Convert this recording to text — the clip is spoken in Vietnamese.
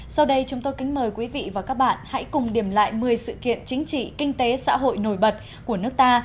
sau đây chúng tôi kính mời quý vị và các bạn hãy cùng điểm lại một mươi sự kiện chính trị kinh tế xã hội nổi bật của nước ta